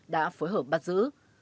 đã phối hợp bắt giữ